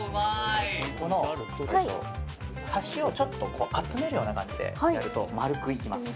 この端をちょっと集めるような感じでやると丸くいきます。